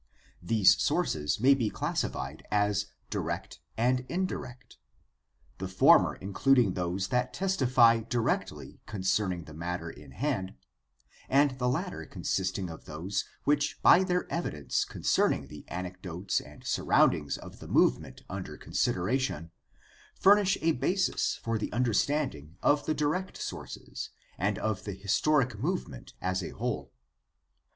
These sources may be classified as direct and indirect, the former including those that testify directly con cerning the matter in hand, and the latter consisting of those which by their evidence concerning the antecedents and surroundings of the movement under consideration furnish a basis for the understanding of the direct sources and of the historic movement as a whole.